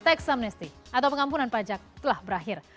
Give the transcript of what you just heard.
teks amnesty atau pengampunan pajak telah berakhir